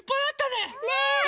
ねえ！